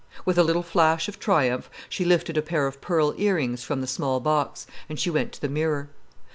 With a little flash of triumph, she lifted a pair of pearl ear rings from the small box, and she went to the mirror.